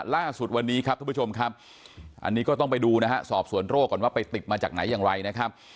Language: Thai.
ล่าสุดวันนี้ครับทุกผู้ชมครับอันนี้ก็ต้องไปดูนะฮะสอบส่วนโรคก่อนว่าไปติดมาจากไหนอย่างไรนะครับ